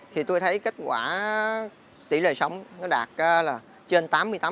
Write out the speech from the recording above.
thì tôi thấy kết quả tỷ lệ sống nó đạt là trên tám mươi tám